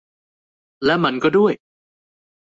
และมันก็ด้วย